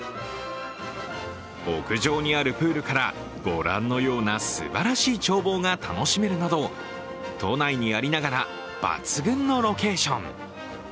屋上にあるプールからご覧のようなすばらしい眺望が楽しめるなど、都内にありながら抜群のロケーション。